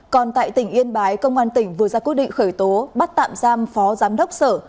còn tại tỉnh yên bái công an tỉnh vừa ra quyết định khởi tố bắt tạm giam phó giám đốc sở